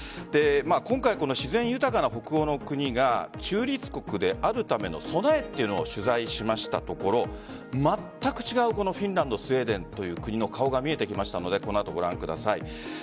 今回、自然豊かな北欧の国が中立国であるための備えというのを取材しましたところまったく違う、フィンランドスウェーデンという国の顔が見えてきましたのでこの後、ご覧ください。